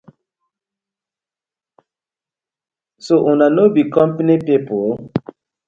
So una no be compani people?